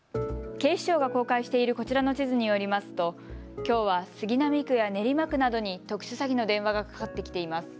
警視庁が公開しているこちらの地図によりますときょうは杉並区や練馬区などに特殊詐欺の電話がかかってきています。